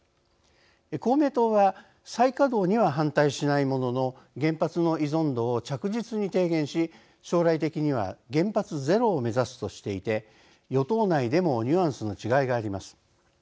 公明党は再稼働には反対しないものの「原発の依存度を着実に低減し将来的には原発ゼロを目指す」としていて与党内でもニュアンスの違いがあります。